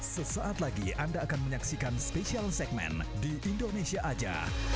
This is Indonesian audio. sesaat lagi anda akan menyaksikan spesial segmen di indonesia aja